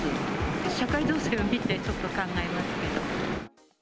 社会情勢を見てちょっと考えますけど。